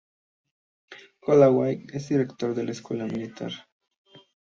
Calloway es director de la Escuela Militar.